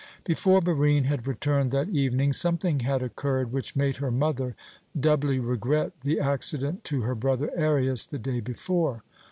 Before Barine had returned that evening, something had occurred which made her mother doubly regret the accident to her brother Arius the day before.